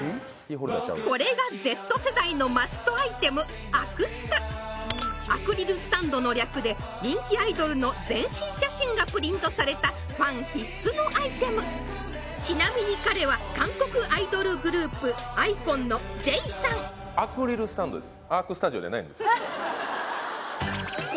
これがＺ世代のマストアイテムアクスタアクリルスタンドの略で人気アイドルの全身写真がプリントされたファン必須のアイテムちなみに彼はアクリルスタンドです